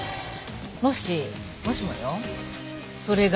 もしもしもよそれが